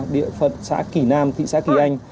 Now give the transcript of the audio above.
địa phận xã kỳ nam thị xã kỳ anh